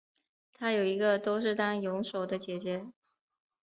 她有一个都是当泳手的姐姐。